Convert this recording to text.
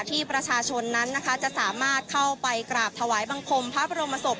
ที่ประชาชนนั้นนะคะจะสามารถเข้าไปกราบถวายบังคมพระบรมศพ